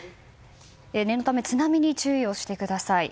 念のために津波に注意をしてください。